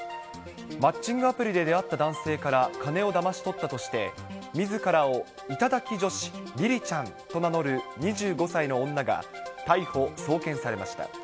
マッチングアプリで出会った男性から金をだまし取ったとして、みずからを頂き女子りりちゃんと名乗る２５歳の女が、逮捕・送検されました。